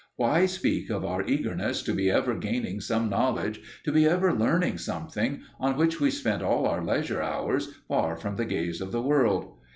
Why speak of our eagerness to be ever gaining some knowledge, to be ever learning something, on which we spent all our leisure hours far from the gaze of the world?